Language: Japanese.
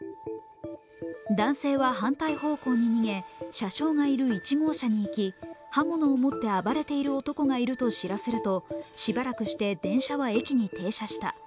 男性は反対方向に逃げ、車掌がいる１号車に行き刃物を持って暴れている男がいると知らせると、しばらくして電車は駅に停車した。